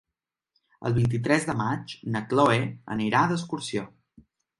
El vint-i-tres de maig na Chloé anirà d'excursió.